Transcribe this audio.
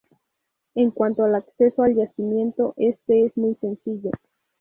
En cuanto al acceso al yacimiento, este es muy sencillo.